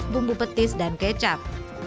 bumbu petis dan kecap